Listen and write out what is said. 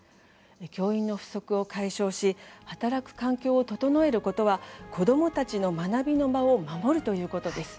教員の不足を解消し働く環境を整えることは子どもたちの学びの場を守るということです。